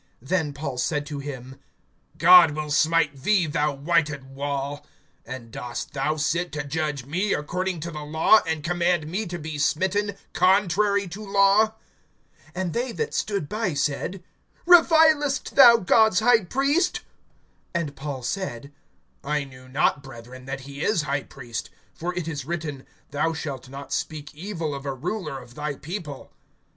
(3)Then Paul said to him: God will smite thee, thou whited wall. And dost thou sit to judge me according to the law, and command me to be smitten contrary to law? (4)And they that stood by said: Revilest thou God's high priest? (5)And Paul said: I knew not, brethren, that he is high priest; for it is written: Thou shalt not speak evil of a ruler of thy people.